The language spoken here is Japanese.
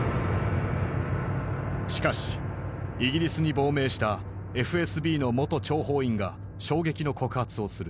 しかしイギリスに亡命したＦＳＢの元諜報員が衝撃の告発をする。